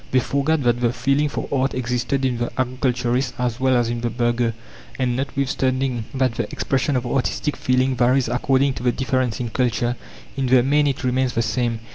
They forgot that the feeling for art existed in the agriculturist as well as in the burgher, and, notwithstanding that the expression of artistic feeling varies according to the difference in culture, in the main it remains the same.